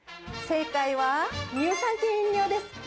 正解は乳酸菌飲料です。